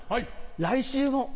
来週も。